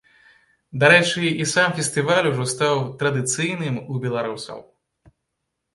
Дарэчы, і сам фестываль ужо стаў традыцыйным у беларусаў.